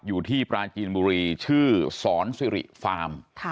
อยู่ที่ปราจีนบุรีชื่อสอนสิริฟาร์ม